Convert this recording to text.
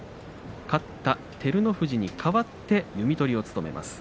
勝った照ノ富士に代わって弓取りを務めます。